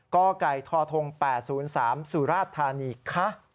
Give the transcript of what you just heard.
กท๘๐๓สุราธานีค่ะ